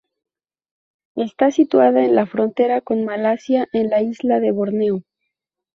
Está situada en la frontera con Malasia en la isla de Borneo.